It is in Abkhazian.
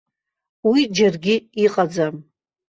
Уи џьаргьы иҟаӡам.